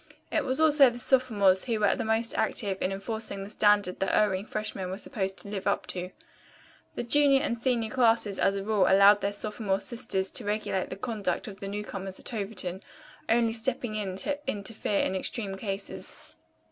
It was also the sophomores who were the most active in enforcing the standard that erring freshmen were supposed to live up to. The junior and senior classes as a rule allowed their sophomore sisters to regulate the conduct of the newcomers at Overton, only stepping in to interfere in extreme cases.